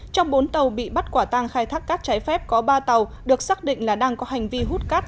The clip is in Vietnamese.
trong bốn tàu bị bắt quả tang khai thác cát trái phép có ba tàu được xác định là đang có hành vi hút cát